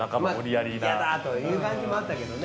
嫌だという感じもあったけどね。